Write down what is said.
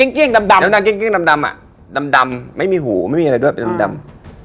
เกลี้ยงดำอ่ะดำไม่มีหูไม่มีอะไรด้วยเป็นดำ